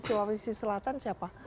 sulawesi selatan siapa